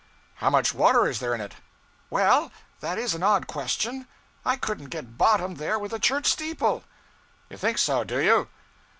'How much water is there in it?' 'Well, that is an odd question. I couldn't get bottom there with a church steeple.' 'You think so, do you?'